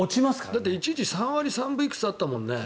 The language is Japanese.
だって一時期３割３分いくつあったもんね。